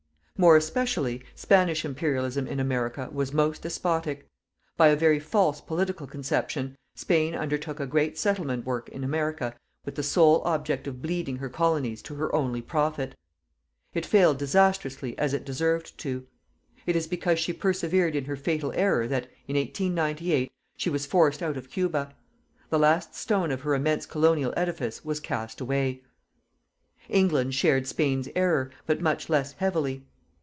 More especially, Spanish Imperialism in America was most despotic. By a very false political conception, Spain undertook a great settlement work in America with the sole object of bleeding her colonies to her only profit. It failed disastrously as it deserved to. It is because she persevered in her fatal error that, in 1898, she was forced out of Cuba. The last stone of her immense colonial edifice was cast away. England shared Spain's error, but much less heavily.